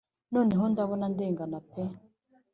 none ndabona ndengana pe